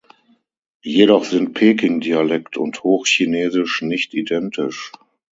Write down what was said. Jedoch sind Peking-Dialekt und Hochchinesisch nicht identisch.